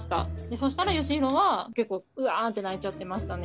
そしたらよしひろは結構うわんって泣いちゃってましたね。